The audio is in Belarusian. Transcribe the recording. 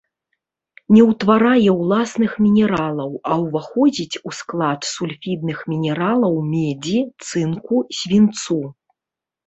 Не ўтварае ўласных мінералаў, а ўваходзіць у склад сульфідных мінералаў медзі, цынку, свінцу.